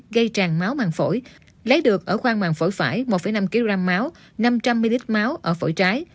gây tràn máu màng phổi lấy được ở khoang màng phổi phải một năm kg máu năm trăm linh ml máu ở phổi trái